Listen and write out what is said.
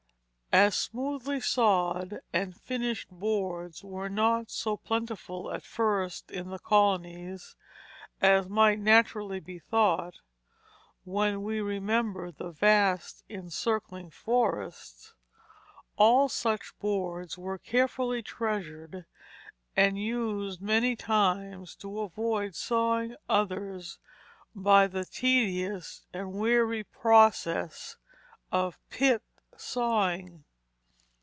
As smoothly sawed and finished boards were not so plentiful at first in the colonies as might naturally be thought when we remember the vast encircling forests, all such boards were carefully treasured, and used many times to avoid sawing others by the tedious and wearying process of pit sawing.